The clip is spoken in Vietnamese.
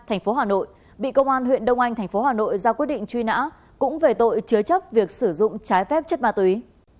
thành phố hà nội bị công an huyện đông anh thành phố hà nội ra quyết định truy nã cũng về tội chứa chấp việc sử dụng trái phép chất ma túy